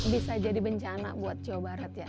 bisa jadi bencana buat jawa barat ya